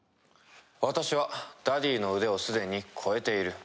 私はダディーの腕をすでに超えている。